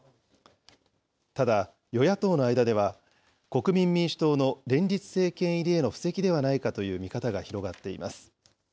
ただ、与野党の間では、国民民主党の連立政権入りへの布石ではないかとの見方が広がっています。